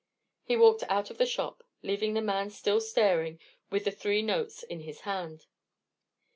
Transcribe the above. He walked out of the shop, leaving the man still staring, with the three notes in his hand.